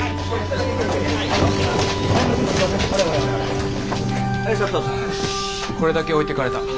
これだけ置いていかれた。